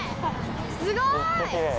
すごい！